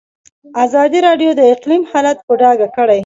ازادي راډیو د اقلیم حالت په ډاګه کړی.